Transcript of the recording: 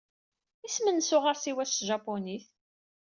Isem-nnes uɣersiw-a s tjapunit?